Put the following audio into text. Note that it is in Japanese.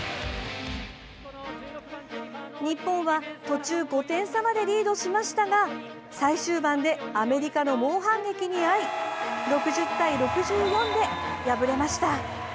日本は途中５点差までリードしましたが最終盤でアメリカの猛反撃に遭い６０対６４で敗れました。